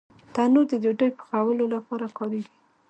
تنور د ډوډۍ پخولو لپاره کارېږي